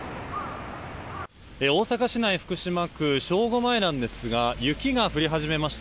大阪市内福島区正午前なんですが雪が降り始めました。